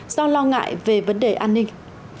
do lo ngại về vấn đề an ninh